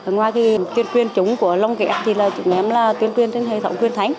ngoài tuyên khuyên chúng của lông ghẹp thì chúng em là tuyên khuyên trên hệ thống tuyên thánh